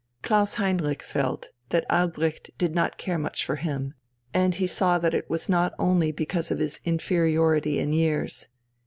Klaus Heinrich felt that Albrecht did not care much for him, and he saw that it was not only because of his inferiority in years.